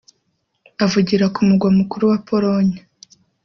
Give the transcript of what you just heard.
Avugira ku mugwa mukuru wa Pologne